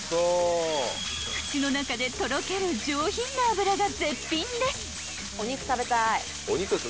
［口の中でとろける上品な脂が絶品です］